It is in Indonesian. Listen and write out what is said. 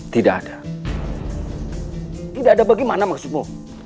tidak ada tidak ada bagaimana maksudmu